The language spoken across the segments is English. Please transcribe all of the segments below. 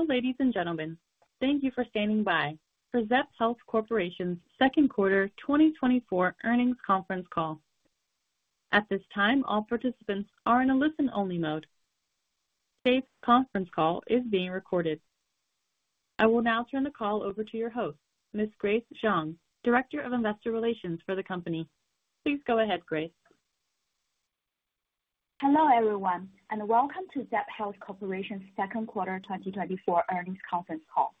Hello, ladies and gentlemen. Thank you for standing by for Zepp Health Corporation's second quarter 2024 earnings conference call. At this time, all participants are in a listen-only mode. Today's conference call is being recorded. I will now turn the call over to your host, Miss Grace Zhang, Director of Investor Relations for the company. Please go ahead, Grace. Hello, everyone, and welcome to Zepp Health Corporation second quarter 2024 earnings conference call.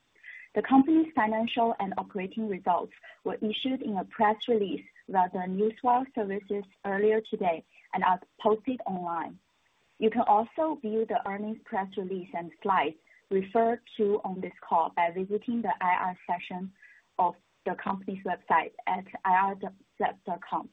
The company's financial and operating results were issued in a press release via the Newswire services earlier today and are posted online. You can also view the earnings press release and slides referred to on this call by visiting the IR section of the company's website at ir.zepp.com.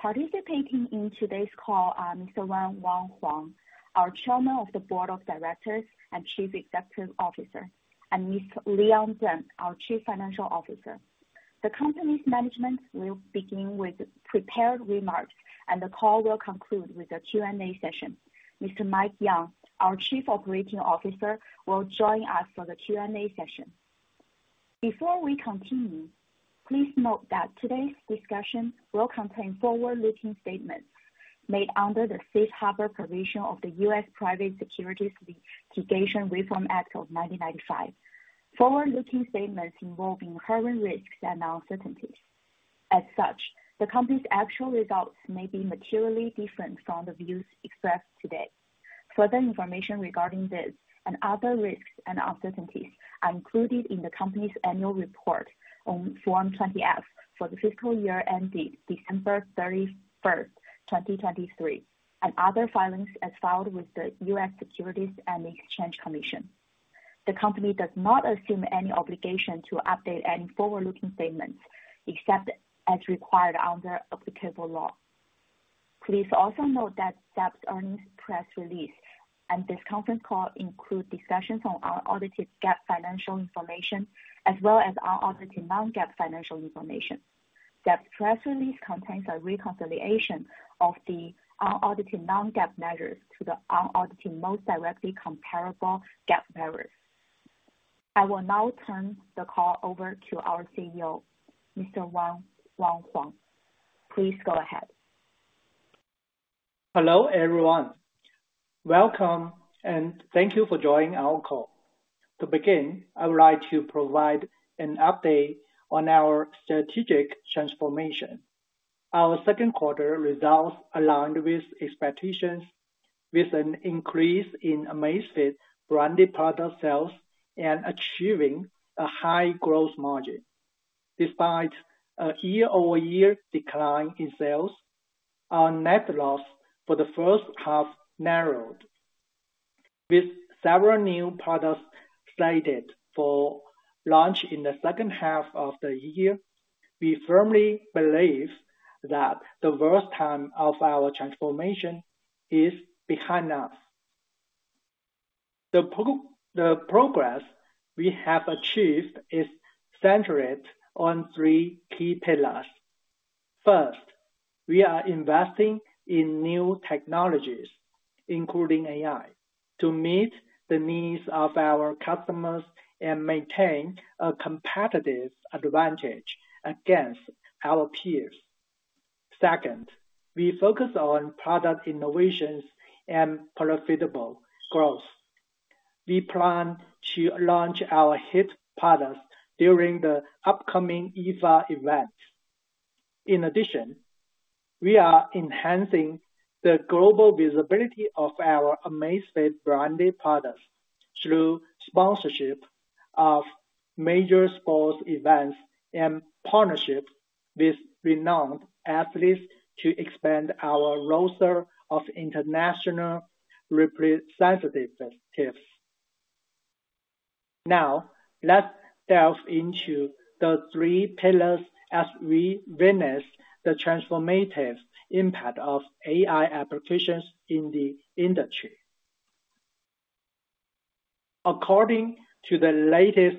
Participating in today's call are Mr. Wang Huang, our Chairman of the Board of Directors and Chief Executive Officer, and Mr. Leon Deng, our Chief Financial Officer. The company's management will begin with prepared remarks, and the call will conclude with a Q&A session. Mr. Mike Yeung, our Chief Operating Officer, will join us for the Q&A session. Before we continue, please note that today's discussion will contain forward-looking statements made under the Safe Harbor provision of the U.S. Private Securities Litigation Reform Act of 1995. Forward-looking statements involving inherent risks and uncertainties. As such, the company's actual results may be materially different from the views expressed today. Further information regarding this and other risks and uncertainties are included in the company's annual report on Form 20-F for the fiscal year ended December 31st, 2023, and other filings as filed with the U.S. Securities and Exchange Commission. The company does not assume any obligation to update any forward-looking statements, except as required under applicable law. Please also note that Zepp's earnings press release and this conference call include discussions on unaudited GAAP financial information, as well as unaudited non-GAAP financial information. Zepp press release contains a reconciliation of the unaudited non-GAAP measures to the unaudited, most directly comparable GAAP measures. I will now turn the call over to our CEO, Mr. Wang Huang. Please go ahead. Hello, everyone. Welcome, and thank you for joining our call. To begin, I would like to provide an update on our strategic transformation. Our second quarter results aligned with expectations, with an increase in Amazfit branded product sales and achieving a high gross margin. Despite a year-over-year decline in sales, our net loss for the first half narrowed. With several new products slated for launch in the second half of the year, we firmly believe that the worst time of our transformation is behind us. The progress we have achieved is centered on three key pillars. First, we are investing in new technologies, including AI, to meet the needs of our customers and maintain a competitive advantage against our peers. Second, we focus on product innovations and profitable growth. We plan to launch our hit products during the upcoming IFA event. In addition, we are enhancing the global visibility of our Amazfit branded products through sponsorship of major sports events and partnerships with renowned athletes to expand our roster of international representatives. Now, let's delve into the three pillars as we witness the transformative impact of AI applications in the industry. According to the latest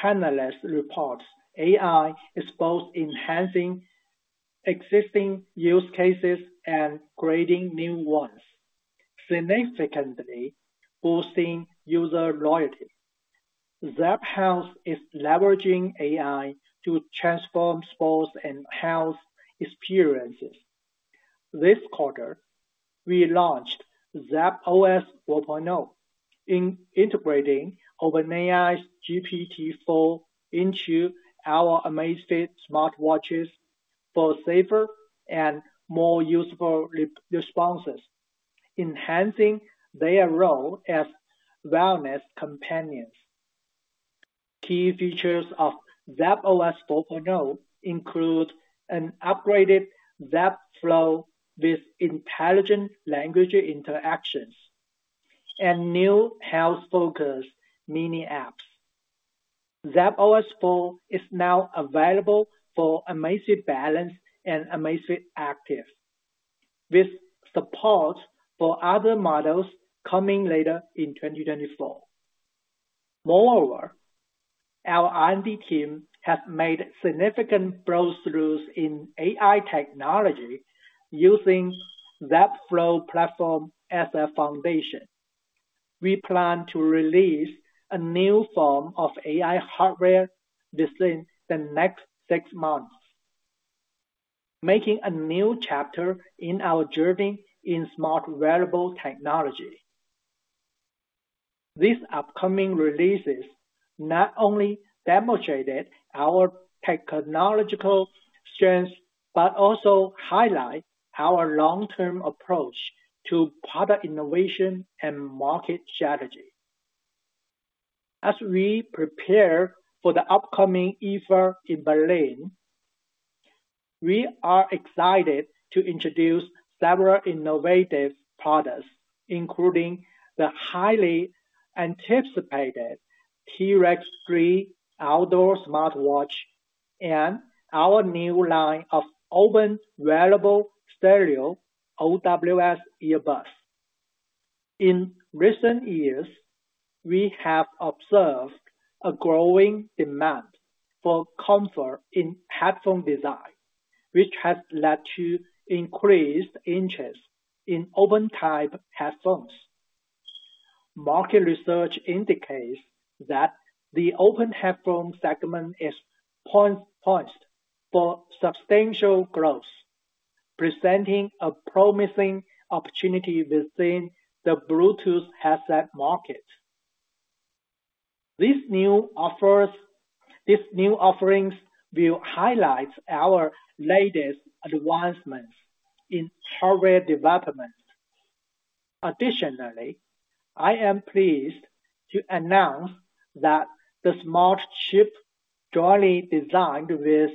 Canalys reports, AI is both enhancing existing use cases and creating new ones, significantly boosting user loyalty. Zepp Health is leveraging AI to transform sports and health experiences. This quarter, we launched Zepp OS 4.0, integrating OpenAI's GPT-4 into our Amazfit smartwatches for safer and more usable responses, enhancing their role as wellness companions. Key features of Zepp OS 4.0 include an upgraded Zepp Flow with intelligent language interactions and new health-focused mini apps. Zepp OS 4.0 is now available for Amazfit Balance and Amazfit Active, with support for other models coming later in 2024. Moreover, our R&D team has made significant breakthroughs in AI technology using Zepp Flow platform as a foundation. We plan to release a new form of AI hardware within the next six months, making a new chapter in our journey in smart wearable technology. These upcoming releases not only demonstrated our technological strengths, but also highlight our long-term approach to product innovation and market strategy. As we prepare for the upcoming IFA in Berlin, we are excited to introduce several innovative products, including the highly anticipated T-Rex 3 outdoor smartwatch, and our new line of Open Wearable Stereo, OWS earbuds. In recent years, we have observed a growing demand for comfort in headphone design, which has led to increased interest in open type headphones. Market research indicates that the open headphone segment is poised for substantial growth, presenting a promising opportunity within the bluetooth headset market. These new offerings will highlight our latest advancements in hardware development. Additionally, I am pleased to announce that the smart chip jointly designed with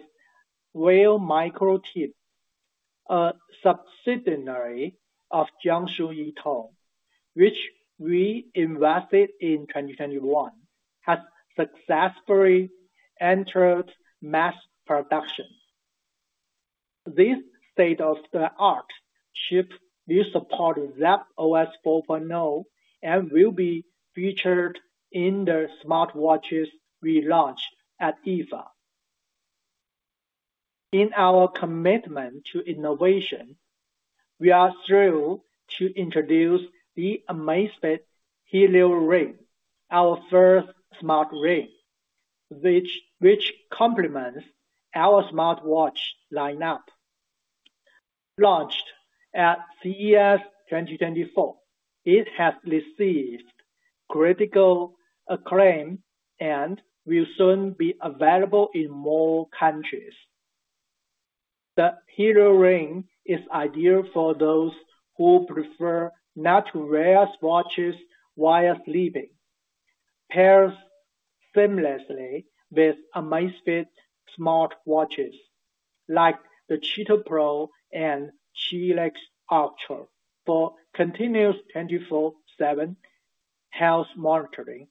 Whale Microchip, a subsidiary of Jiangsu Yitong, which we invested in 2021, has successfully entered mass production. This state-of-the-art chip will support Zepp OS 4.0, and will be featured in the smartwatches we launch at IFA. In our commitment to innovation, we are thrilled to introduce the Amazfit Helio Ring, our first smart ring, which complements our smartwatch lineup. Launched at CES 2024, it has received critical acclaim and will soon be available in more countries. The Helio Ring is ideal for those who prefer not to wear watches while sleeping, pairs seamlessly with Amazfit smartwatches, like the Cheetah Pro and T-Rex Ultra. For continuous 24/7 health monitoring,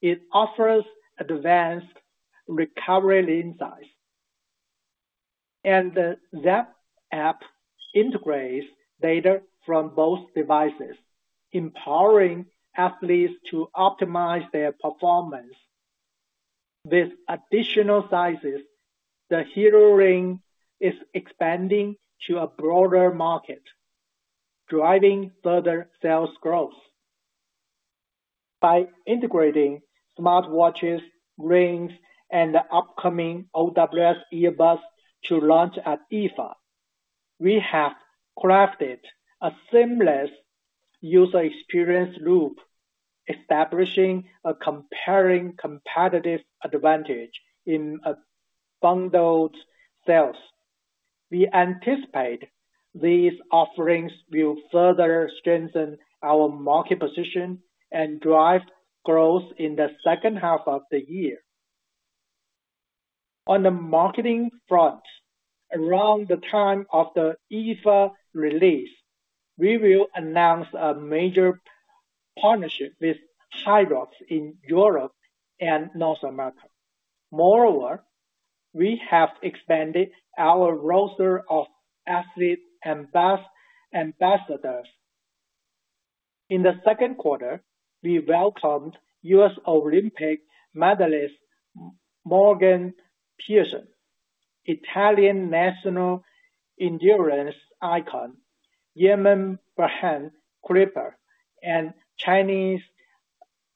it offers advanced recovery insights, and the Zepp App integrates data from both devices, empowering athletes to optimize their performance. With additional sizes, the Helio Ring is expanding to a broader market, driving further sales growth. By integrating smartwatches, rings, and the upcoming OWS earbuds to launch at IFA, we have crafted a seamless user experience loop, establishing a compelling competitive advantage in bundled sales. We anticipate these offerings will further strengthen our market position and drive growth in the second half of the year. On the marketing front, around the time of the IFA release, we will announce a major partnership with HYROX in Europe and North America. Moreover, we have expanded our roster of athlete ambassadors. In the second quarter, we welcomed U.S. Olympic medalist, Morgan Pearson, Italian national endurance icon, Yeman Crippa, and Chinese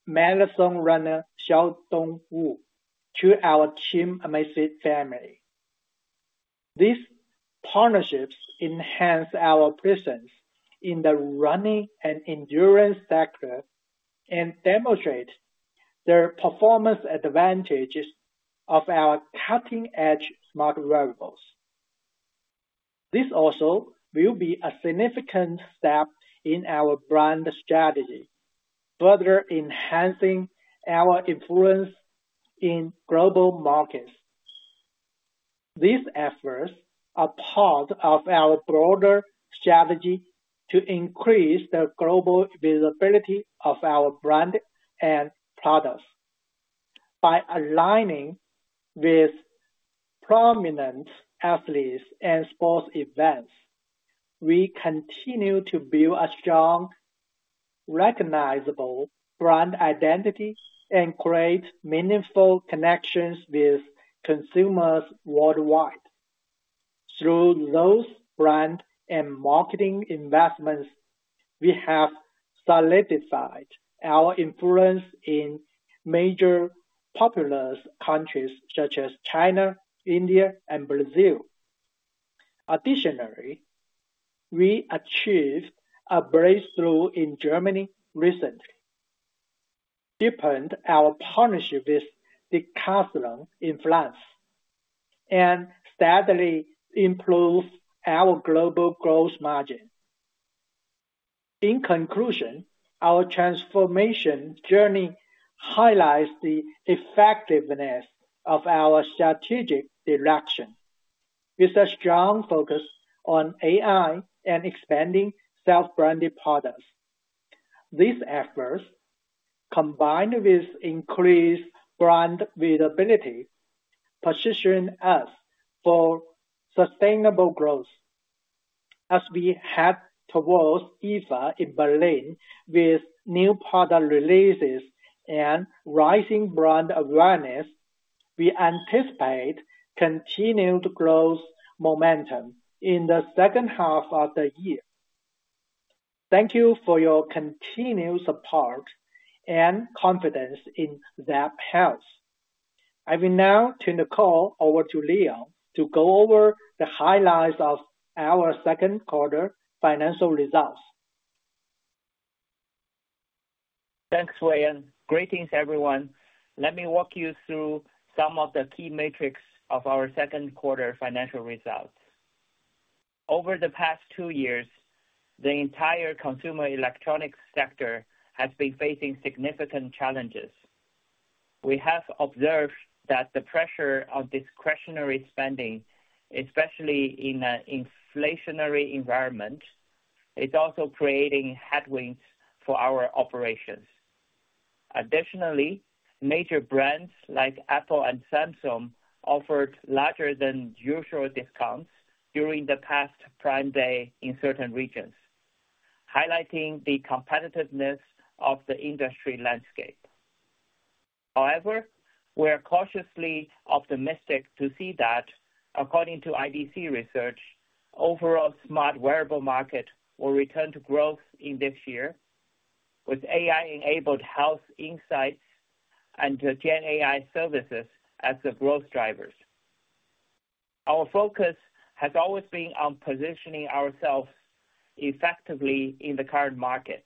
marathon runner, Xiaotong Wu, to our Team Amazfit family. These partnerships enhance our presence in the running and endurance sector, and demonstrate the performance advantages of our cutting-edge smart wearables. This also will be a significant step in our brand strategy, further enhancing our influence in global markets. These efforts are part of our broader strategy to increase the global visibility of our brand and products. By aligning with prominent athletes and sports events, we continue to build a strong recognizable brand identity and create meaningful connections with consumers worldwide. Through those brand and marketing investments, we have solidified our influence in major populous countries such as China, India, and Brazil. Additionally, we achieved a breakthrough in Germany recently, deepened our partnership with Decathlon in France, and steadily improved our global gross margin. In conclusion, our transformation journey highlights the effectiveness of our strategic direction, with a strong focus on AI and expanding self-branded products. These efforts, combined with increased brand visibility, position us for sustainable growth. As we head towards IFA in Berlin with new product releases and rising brand awareness, we anticipate continued growth momentum in the second half of the year. Thank you for your continued support and confidence in Zepp Health. I will now turn the call over to Leon to go over the highlights of our second quarter financial results. Thanks, Wayne. Greetings, everyone. Let me walk you through some of the key metrics of our second quarter financial results. Over the past two years, the entire consumer electronics sector has been facing significant challenges. We have observed that the pressure on discretionary spending, especially in an inflationary environment, is also creating headwinds for our operations. Additionally, major brands like Apple and Samsung offered larger than usual discounts during the past Prime Day in certain regions, highlighting the competitiveness of the industry landscape. However, we are cautiously optimistic to see that according to IDC research, overall smart wearable market will return to growth in this year, with AI-enabled health insights and GenAI services as the growth drivers. Our focus has always been on positioning ourselves effectively in the current market.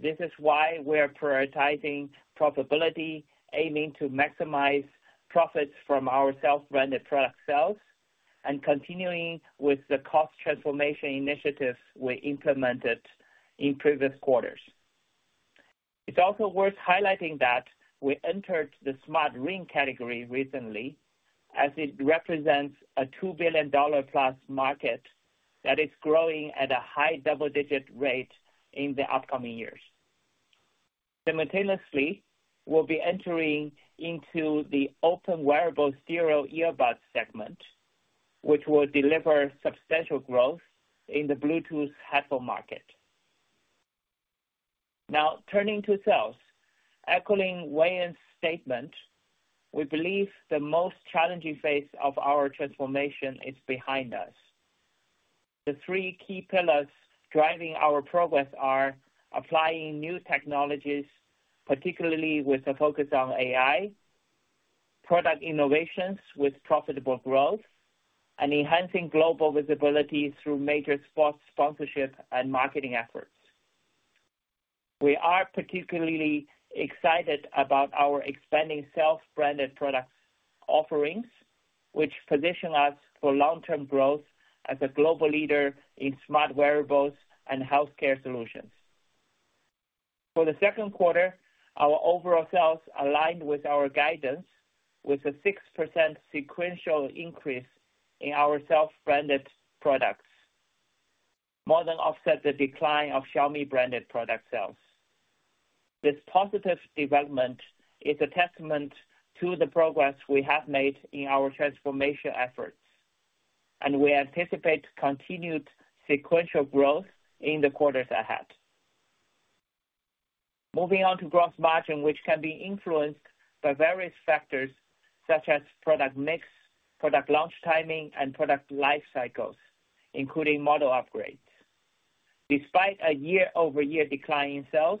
This is why we are prioritizing profitability, aiming to maximize profits from our self-branded product sales, and continuing with the cost transformation initiatives we implemented in previous quarters. It's also worth highlighting that we entered the smart ring category recently, as it represents a $2+ billion market that is growing at a high double-digit rate in the upcoming years. Simultaneously, we'll be entering into the open wearable stereo earbuds segment, which will deliver substantial growth in the Bluetooth headphone market. Now, turning to sales. Echoing Wayne's statement, we believe the most challenging phase of our transformation is behind us. The three key pillars driving our progress are applying new technologies, particularly with a focus on AI, product innovations with profitable growth, and enhancing global visibility through major sports sponsorship and marketing efforts. We are particularly excited about our expanding self-branded product offerings, which position us for long-term growth as a global leader in smart wearables and healthcare solutions. For the second quarter, our overall sales aligned with our guidance, with a 6% sequential increase in our self-branded products, more than offset the decline of Xiaomi-branded product sales. This positive development is a testament to the progress we have made in our transformation efforts, and we anticipate continued sequential growth in the quarters ahead. Moving on to gross margin, which can be influenced by various factors such as product mix, product launch timing, and product life cycles, including model upgrades. Despite a year-over-year decline in sales,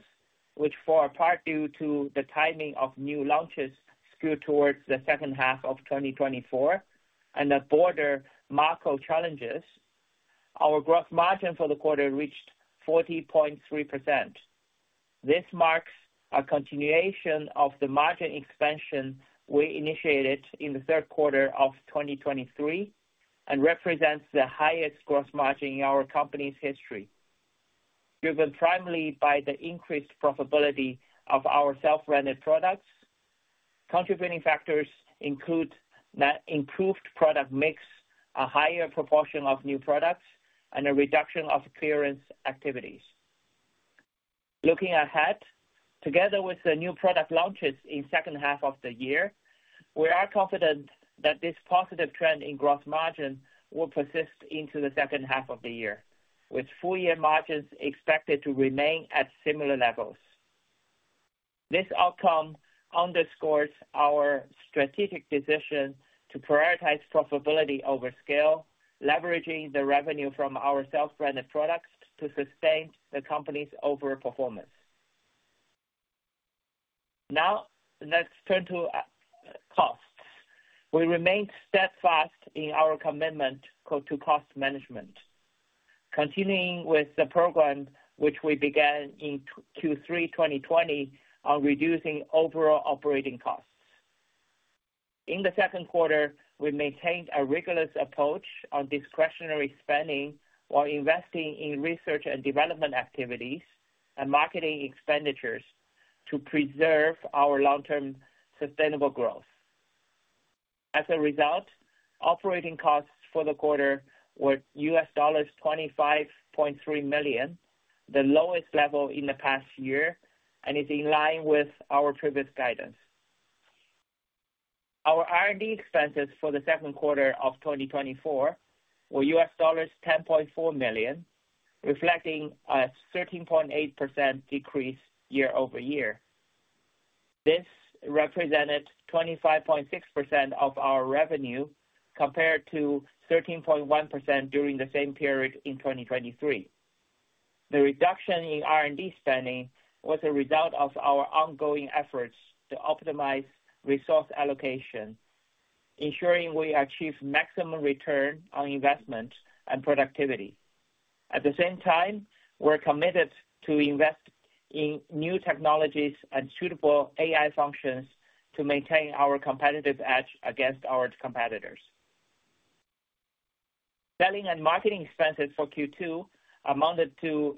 which was in part due to the timing of new launches skewed towards the second half of 2024, and the broader macro challenges, our gross margin for the quarter reached 40.3%. This marks a continuation of the margin expansion we initiated in the third quarter of 2023, and represents the highest gross margin in our company's history, driven primarily by the increased profitability of our self-branded products. Contributing factors include the improved product mix, a higher proportion of new products, and a reduction of clearance activities. Looking ahead, together with the new product launches in second half of the year, we are confident that this positive trend in gross margin will persist into the second half of the year, with full-year margins expected to remain at similar levels. This outcome underscores our strategic decision to prioritize profitability over scale, leveraging the revenue from our self-branded products to sustain the company's overperformance. Now, let's turn to costs. We remain steadfast in our commitment to cost management, continuing with the program which we began in Q3 2020 on reducing overall operating costs. In the second quarter, we maintained a rigorous approach on discretionary spending while investing in research and development activities and marketing expenditures to preserve our long-term sustainable growth. As a result, operating costs for the quarter were $25.3 million, the lowest level in the past year, and is in line with our previous guidance. Our R&D expenses for the second quarter of 2024 were $10.4 million, reflecting a 13.8% decrease year-over-year. This represented 25.6% of our revenue, compared to 13.1% during the same period in 2023. The reduction in R&D spending was a result of our ongoing efforts to optimize resource allocation, ensuring we achieve maximum return on investment and productivity. At the same time, we're committed to invest in new technologies and suitable AI functions to maintain our competitive edge against our competitors. Selling and marketing expenses for Q2 amounted to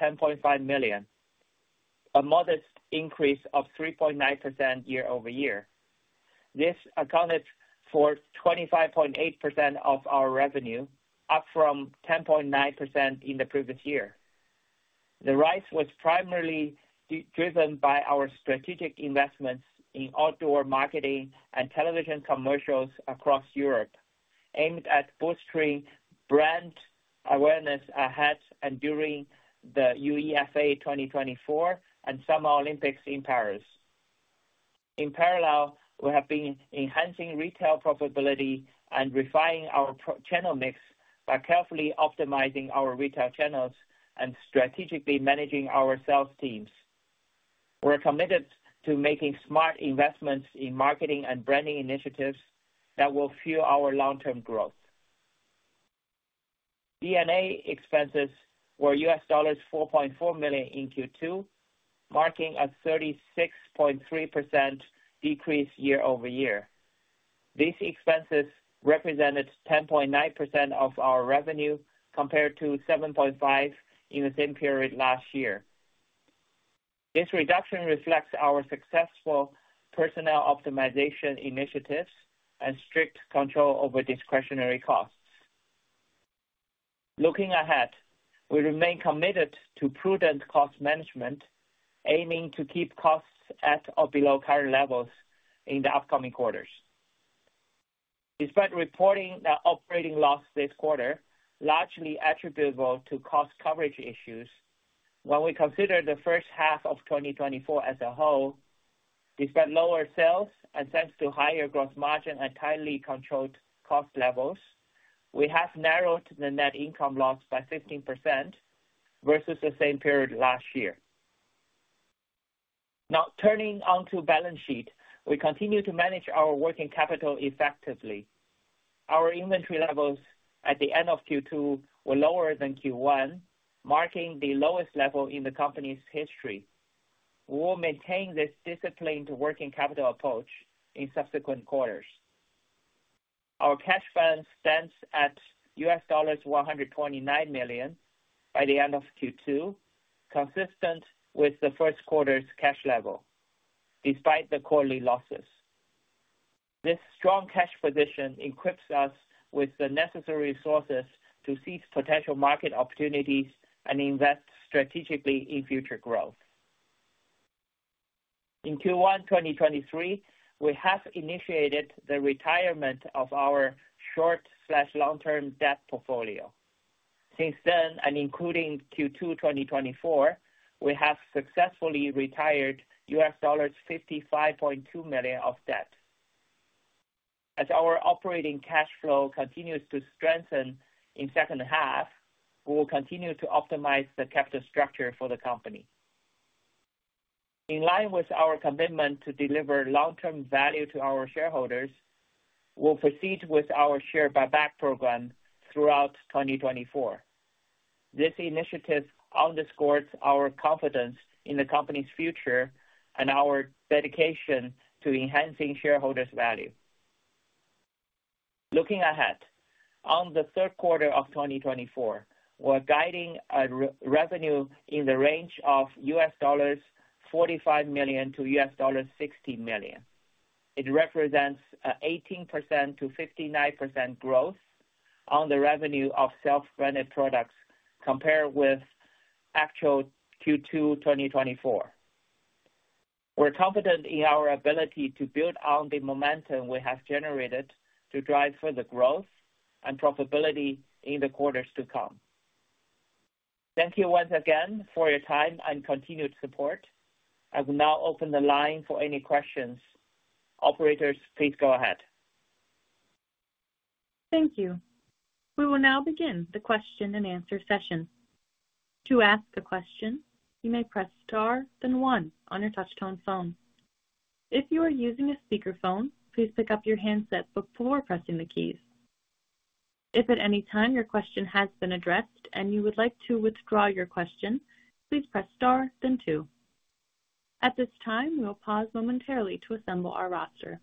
$10.5 million, a modest increase of 3.9% year-over-year. This accounted for 25.8% of our revenue, up from 10.9% in the previous year. The rise was primarily driven by our strategic investments in outdoor marketing and television commercials across Europe, aimed at bolstering brand awareness ahead and during the UEFA 2024 and Summer Olympics in Paris. In parallel, we have been enhancing retail profitability and refining our product channel mix by carefully optimizing our retail channels and strategically managing our sales teams. We're committed to making smart investments in marketing and branding initiatives that will fuel our long-term growth. G&A expenses were $4.4 million in Q2, marking a 36.3% decrease year-over-year. These expenses represented 10.9% of our revenue, compared to 7.5% in the same period last year. This reduction reflects our successful personnel optimization initiatives and strict control over discretionary costs. Looking ahead, we remain committed to prudent cost management, aiming to keep costs at or below current levels in the upcoming quarters. Despite reporting an operating loss this quarter, largely attributable to cost coverage issues, when we consider the first half of 2024 as a whole, despite lower sales and thanks to higher gross margin and tightly controlled cost levels, we have narrowed the net income loss by 15% versus the same period last year. Now, turning to the balance sheet, we continue to manage our working capital effectively. Our inventory levels at the end of Q2 were lower than Q1, marking the lowest level in the company's history. We will maintain this discipline to working capital approach in subsequent quarters. Our cash funds stand at $129 million by the end of Q2, consistent with the first quarter's cash level, despite the quarterly losses. This strong cash position equips us with the necessary resources to seize potential market opportunities and invest strategically in future growth. In Q1 2023, we have initiated the retirement of our short/long-term debt portfolio. Since then, and including Q2 2024, we have successfully retired $55.2 million of debt. As our operating cash flow continues to strengthen in second half, we will continue to optimize the capital structure for the company. In line with our commitment to deliver long-term value to our shareholders, we'll proceed with our share buyback program throughout 2024. This initiative underscores our confidence in the company's future and our dedication to enhancing shareholders' value. Looking ahead, on the third quarter of 2024, we're guiding revenue in the range of $45 million to $60 million. It represents 18% to 59% growth on the revenue of self-branded products compared with actual Q2 2024. We're confident in our ability to build on the momentum we have generated to drive further growth and profitability in the quarters to come. Thank you once again for your time and continued support. I will now open the line for any questions. Operator, please go ahead. Thank you. We will now begin the question and answer session. To ask a question, you may press star, then one on your touchtone phone. If you are using a speakerphone, please pick up your handset before pressing the keys. If at any time your question has been addressed and you would like to withdraw your question, please press star, then two. At this time, we'll pause momentarily to assemble our roster.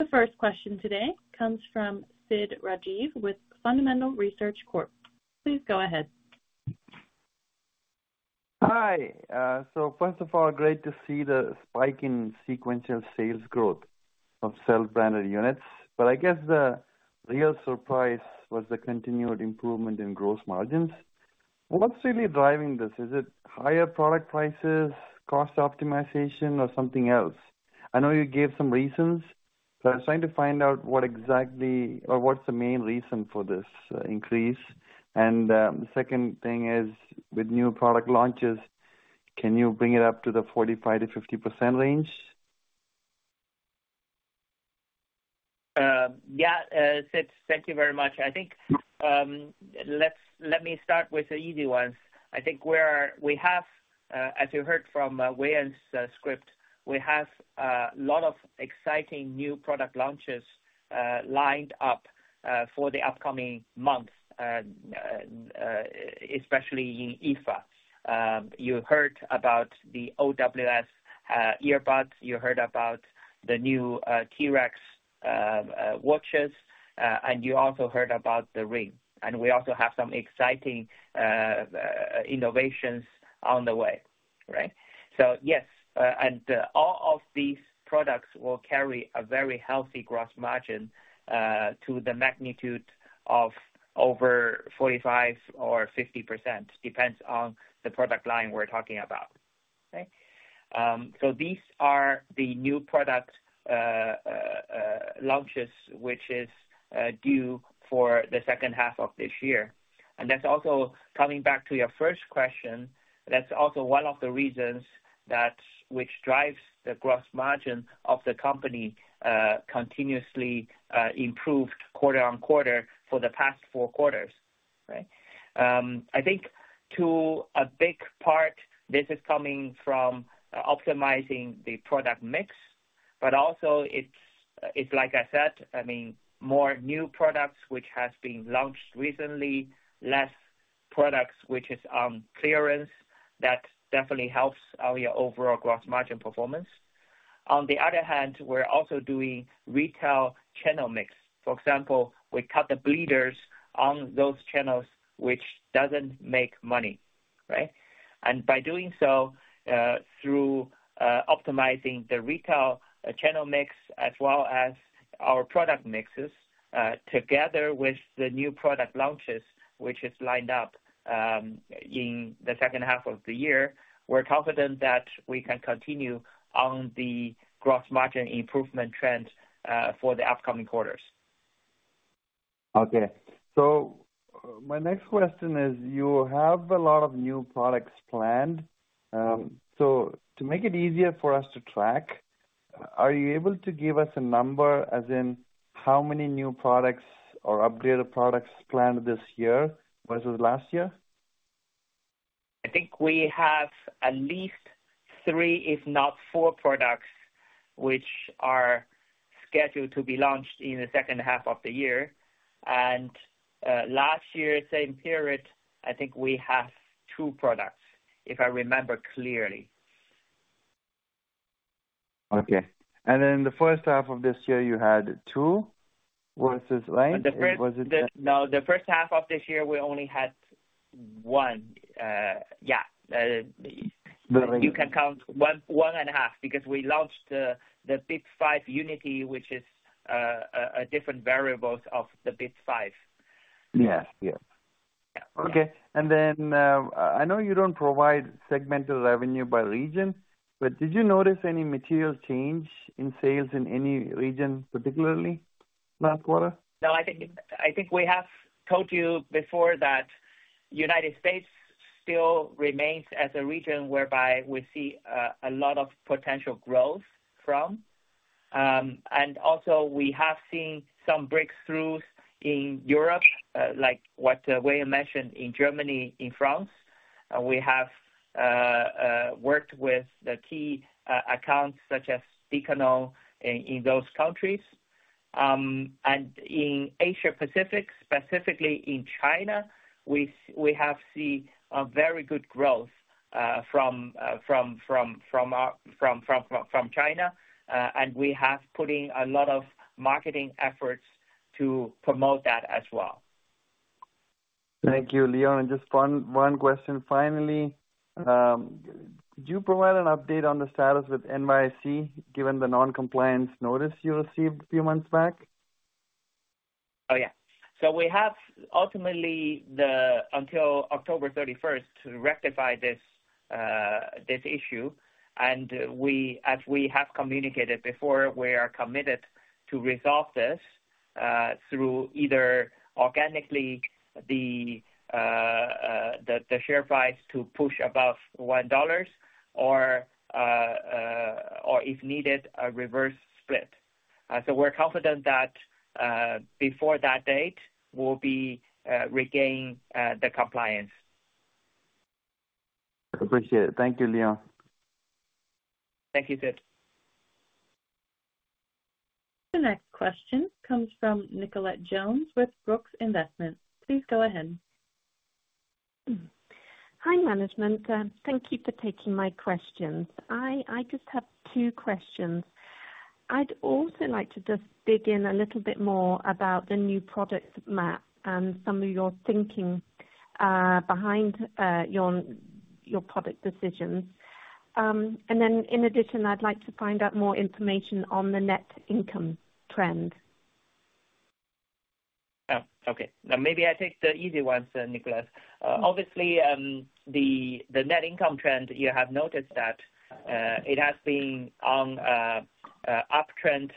The first question today comes from Sid Rajeev with Fundamental Research Corp. Please go ahead. Hi. So first of all, great to see the spike in sequential sales growth of self-branded units, but I guess the real surprise was the continued improvement in gross margins. What's really driving this? Is it higher product prices, cost optimization, or something else? I know you gave some reasons, but I'm trying to find out what exactly or what's the main reason for this, increase, and the second thing is, with new product launches, can you bring it up to the 45%-50% range? Yeah, Sid, thank you very much. I think, let me start with the easy ones. I think where we have, as you heard from, Wayne's script, we have a lot of exciting new product launches, lined up, for the upcoming months, especially in IFA. You heard about the OWS, earbuds, you heard about the new, T-Rex, watches, and you also heard about the ring. And we also have some exciting, innovations on the way, right? So, yes, and all of these products will carry a very healthy gross margin, to the magnitude of over 45% or 50%, depends on the product line we're talking about. Okay? So these are the new product, launches, which is, due for the second half of this year. And that's also coming back to your first question. That's also one of the reasons that, which drives the gross margin of the company, continuously, improved quarter on quarter for the past four quarters, right? I think to a big part, this is coming from optimizing the product mix, but also it's, it's like I said, I mean, more new products, which has been launched recently, less products, which is on clearance. That definitely helps our overall gross margin performance. On the other hand, we're also doing retail channel mix. For example, we cut the bleeders on those channels, which doesn't make money, right? And by doing so, through optimizing the retail channel mix as well as our product mixes, together with the new product launches, which is lined up, in the second half of the year, we're confident that we can continue on the gross margin improvement trend, for the upcoming quarters. Okay. So my next question is, you have a lot of new products planned. So to make it easier for us to track, are you able to give us a number, as in how many new products or updated products planned this year versus last year? I think we have at least three, if not four products, which are scheduled to be launched in the second half of the year, and last year, same period, I think we have two products, if I remember clearly. Okay. And then the first half of this year, you had two versus, right? The first Was it the No, the first half of this year, we only had one. Yeah, you can count one, one and a half, because we launched the Bip 5 Unity, which is a different variant of the Bip 5. Yeah. Yeah. Yeah. Okay. And then, I know you don't provide segmental revenue by region, but did you notice any material change in sales in any region, particularly last quarter? No, I think we have told you before that United States still remains as a region whereby we see a lot of potential growth from. And also we have seen some breakthroughs in Europe, like what Wayne mentioned in Germany, in France. We have worked with the key accounts such as Decathlon in those countries. And in Asia Pacific, specifically in China, we have seen a very good growth from China. And we have putting a lot of marketing efforts to promote that as well. Thank you, Leon. And just one question. Finally, could you provide an update on the status with NYSE, given the non-compliance notice you received a few months back? Oh, yeah. So we have until October 31st to rectify this issue. And as we have communicated before, we are committed to resolve this through either organically the share price to push above $1 or if needed, a reverse split. So we're confident that before that date, we'll regain the compliance. Appreciate it. Thank you, Leon. Thank you, Sid. The next question comes from Nicolette Jones with Brooks Investment. Please go ahead. Hi, management. Thank you for taking my questions. I just have two questions. I'd also like to just dig in a little bit more about the new product map and some of your thinking behind your product decisions. And then in addition, I'd like to find out more information on the net income trend. Oh, okay. Now, maybe I take the easy ones, Nicolette. Obviously, the net income trend, you have noticed that, it has been on an uptrend.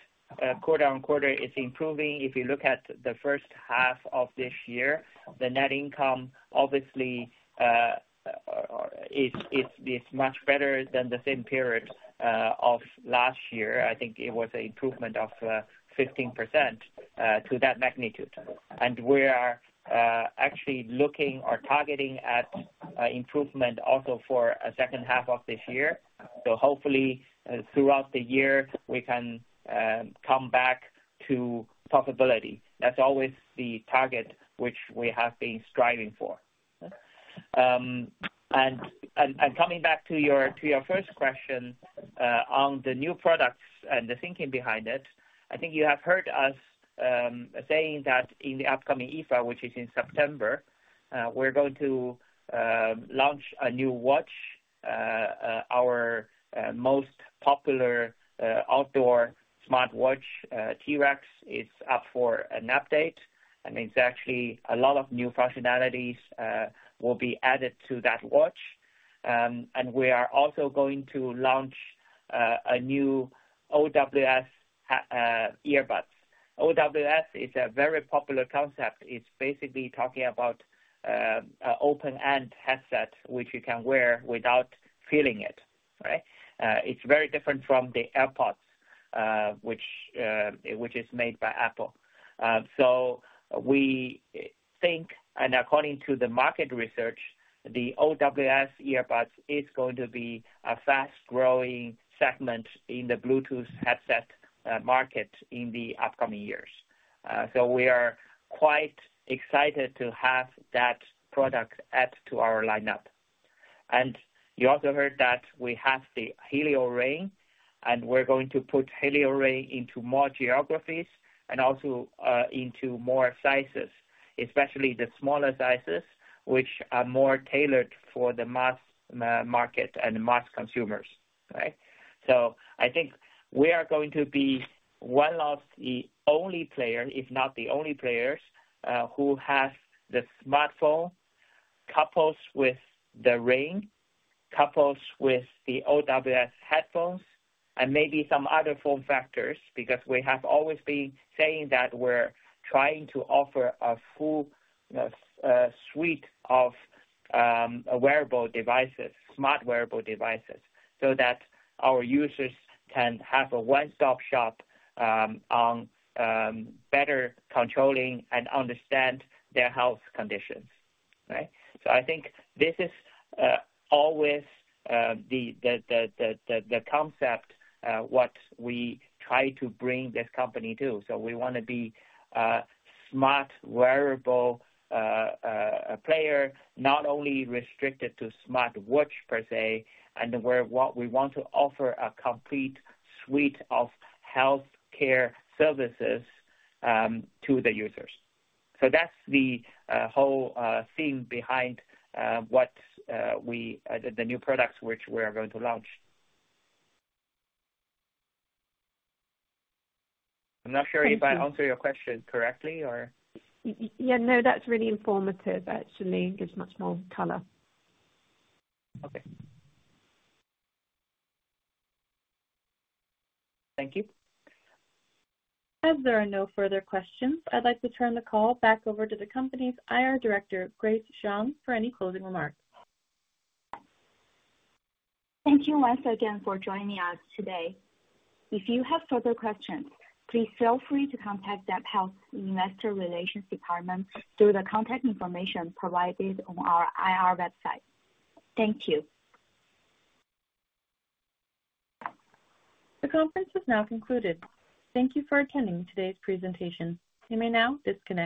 Quarter-on-quarter, it's improving. If you look at the first half of this year, the net income, obviously, is much better than the same period of last year. I think it was an improvement of 15% to that magnitude. And we are actually looking or targeting at improvement also for a second half of this year. So hopefully, throughout the year, we can come back to profitability. That's always the target which we have been striving for. Coming back to your first question, on the new products and the thinking behind it, I think you have heard us saying that in the upcoming IFA, which is in September, we're going to launch a new watch. Our most popular outdoor smartwatch, T-Rex, is up for an update, and it's actually a lot of new functionalities will be added to that watch. And we are also going to launch a new OWS earbuds. OWS is a very popular concept. It's basically talking about open-ear headset, which you can wear without feeling it, right? It's very different from the AirPods, which is made by Apple. So we think, and according to the market research, the OWS earbuds is going to be a fast-growing segment in the bluetooth headset market in the upcoming years. So we are quite excited to have that product add to our lineup. And you also heard that we have the Helio Ring, and we're going to put Helio Ring into more geographies and also into more sizes, especially the smaller sizes, which are more tailored for the mass market and the mass consumers, right? So I think we are going to be one of the only player, if not the only players, who has the smartphone, couples with the ring, couples with the OWS headphones and maybe some other form factors, because we have always been saying that we're trying to offer a full suite of wearable devices, smart wearable devices, so that our users can have a one-stop shop on better controlling and understand their health conditions, right? So I think this is always the concept what we try to bring this company to. So we want to be a smart wearable player, not only restricted to smartwatch per se, and where what we want to offer a complete suite of healthcare services to the users. So that's the whole theme behind what the new products which we are going to launch. I'm not sure if I answered your question correctly or? Yeah, no, that's really informative, actually. Gives much more color. Okay. Thank you. As there are no further questions, I'd like to turn the call back over to the company's IR director, Grace Zhang, for any closing remarks. Thank you once again for joining us today. If you have further questions, please feel free to contact Zepp Health Investor Relations Department through the contact information provided on our IR website. Thank you. The conference is now concluded. Thank you for attending today's presentation. You may now disconnect.